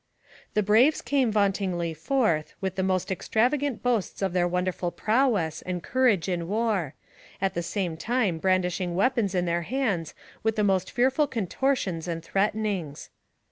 The braves came vauntingly forth, with the most extravagant boasts of their wonderful prowess and 4 96 NARRATIVE OF CAPTIVITY courage in war, at the same time brandishing weapons in their hands with the most fearful contortions and threatenings.